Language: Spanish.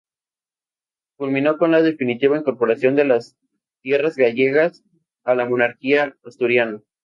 Culminó con la definitiva incorporación de las tierras gallegas a la Monarquía asturiana.